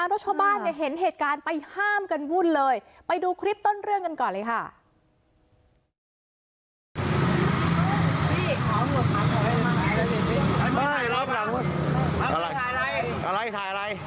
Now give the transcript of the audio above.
เพราะชาวบ้านเนี่ยเห็นเหตุการณ์ไปห้ามกันวุ่นเลยไปดูคลิปต้นเรื่องกันก่อนเลยค่ะ